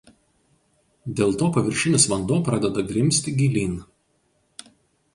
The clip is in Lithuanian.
Dėl to paviršinis vanduo pradeda grimzti gilyn.